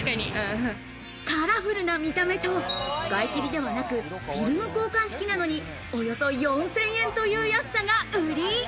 カラフルな見た目と、使いきりではなく、フィルム交換式なのに、およそ４０００円という安さが売り。